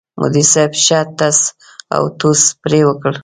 مدیر صاحب ښه ټس اوټوس پرې وکړ.